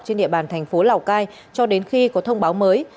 trên địa bàn thành phố lào cai cho đến khi có thông báo mới